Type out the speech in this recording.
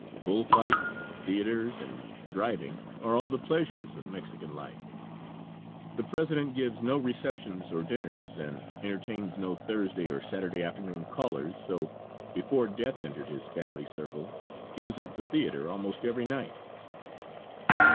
Bull fights, theaters, and driving are all the pleasures of Mexican life; the president gives no receptions or dinners, and entertains no Thursday or Saturday afternoon callers, so before death entered his family circle he was at the theater almost every night.